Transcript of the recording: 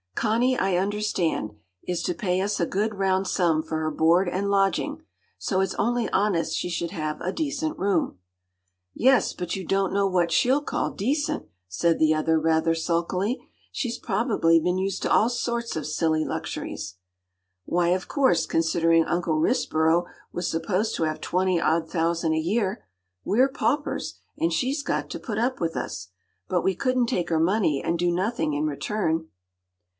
Connie, I understand, is to pay us a good round sum for her board and lodging, so it’s only honest she should have a decent room.” “Yes, but you don’t know what she’ll call decent,” said the other rather sulkily. “She’s probably been used to all sorts of silly luxuries.” “Why of course, considering Uncle Risborough was supposed to have twenty odd thousand a year. We’re paupers, and she’s got to put up with us. But we couldn’t take her money and do nothing in return.